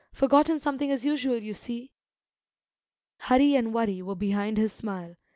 Forgotten something as usual, you see!" Hurry and worry were behind his smile.